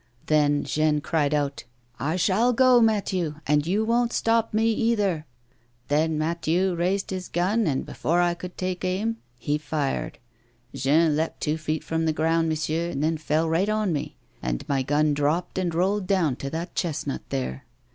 Then Jean cried out, ' I shall go, Mathieu ; and you won't stop me, either.' Then Mathieu raised his gun, and, before I could take aim, he fired. Jean leapt two feet from the ground, monsieur, and then he fell right on me, and my gun dropped and rolled down to that chestnut there.